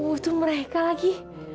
oh tuh mereka lagi